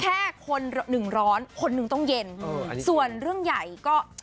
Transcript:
แค่คนหนึ่งร้อนคนหนึ่งต้องเย็นส่วนเรื่องใหญ่ก็